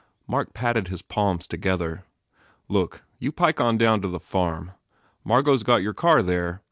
Mark patted his palms together. "Look, you pike on down to the farm. Margot s got your car there.